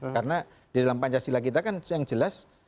karena di dalam pancasila kita kan yang jelas